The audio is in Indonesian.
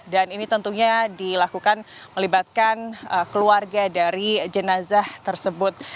dan ini tentunya dilakukan melibatkan keluarga dari jenazah tersebut